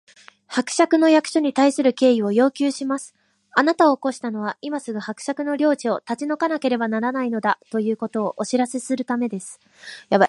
「伯爵の役所に対する敬意を要求します！あなたを起こしたのは、今すぐ伯爵の領地を立ち退かなければならないのだ、ということをお知らせするためです」